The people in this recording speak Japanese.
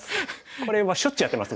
これはしょっちゅうやってます